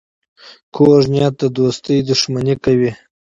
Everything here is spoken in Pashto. کوږ نیت د دوستۍ دښمني کوي